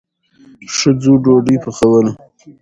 ښځو ډوډۍ پخوله.